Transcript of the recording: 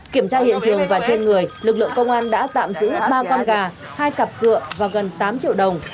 kiểm tra hiện trường và trên người lực lượng công an đã tạm giữ ba con gà hai cặp cửa và gần tám triệu đồng